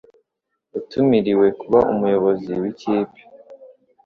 Yatumiriwe kuba umuyobozi wikipe.